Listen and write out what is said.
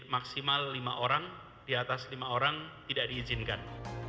maksimal lima orang di atas lima orang tidak diizinkan